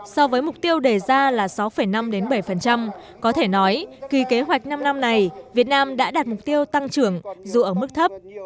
so với mục tiêu đề ra là sáu năm bảy có thể nói kỳ kế hoạch năm năm này việt nam đã đạt mục tiêu tăng trưởng dù ở mức thấp